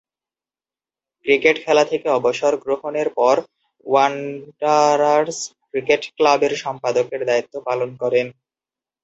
Cricket খেলা থেকে অবসর গ্রহণের পর ওয়ান্ডারার্স ক্রিকেট ক্লাবের সম্পাদকের দায়িত্ব পালন করেন।